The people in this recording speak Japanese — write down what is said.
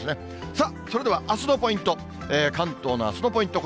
さあ、それではあすのポイント、関東のあすのポイント